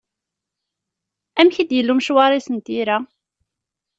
Amek i d-yella umecwar-is n tira?